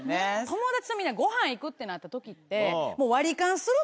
友達とごはん行くってなった時って。